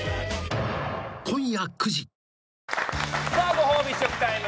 ご褒美試食タイム！